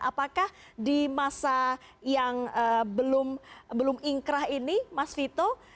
apakah di masa yang belum ingkrah ini mas vito